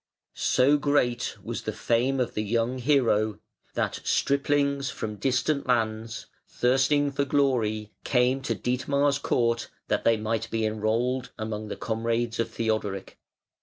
So great was the fame of the young hero that striplings from distant lands, thirsting for glory, came to Dietmar's court that they might be enrolled among the comrades of Theodoric.